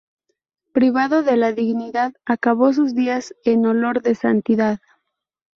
Privado de la dignidad, acabó sus días en olor de santidad.